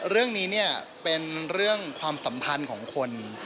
เรื่องนี้เนี่ยเป็นเรื่องความสัมพันธ์ของคน